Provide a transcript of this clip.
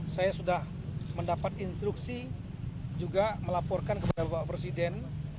saya sudah mendapat instruksi juga melaporkan kepada bapak presiden